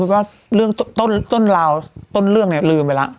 ว่าเรื่องต้นราวต้นเรื่องเนี่ยลืมไปแล้ว